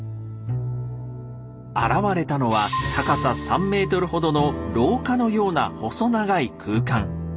現れたのは高さ３ｍほどの廊下のような細長い空間。